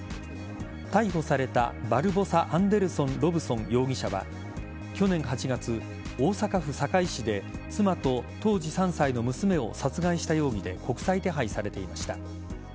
逮捕されたバルボサ・アンデルソン・ロブソン容疑者は去年８月、大阪府堺市で妻と当時３歳の娘を殺害した容疑で国際手配されていました。